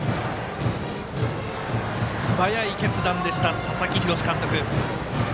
素早い決断でした佐々木洋監督。